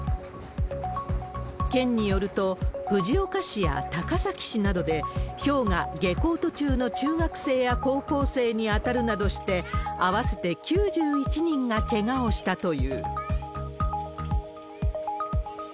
県によると、藤岡市や高崎市などで、ひょうが下校途中の中学生や高校生に当たるなどして、合わせて９１人がけがをしたという。